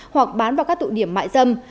hoặc bán vào các tụ điểm mại dâm